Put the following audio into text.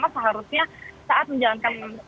seharusnya saat menjalankan